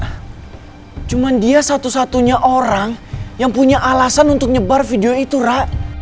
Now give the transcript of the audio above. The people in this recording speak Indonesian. ra cuman dia satu satunya orang yang punya alasan untuk nyebar videonya itu ra